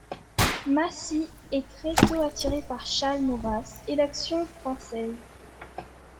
Massis est très tôt attiré par Charles Maurras et l'Action française.